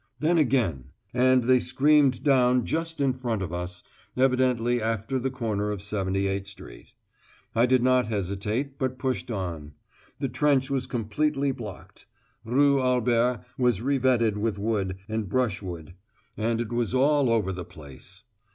Then again, and they screamed down just in front of us, evidently after the corner of 78 Street. I did not hesitate, but pushed on. The trench was completely blocked. Rue Albert was revetted with wood and brushwood, and it was all over the place.